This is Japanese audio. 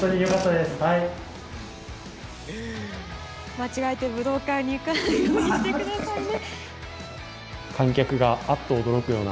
間違えて武道館に行かないようにしてくださいね。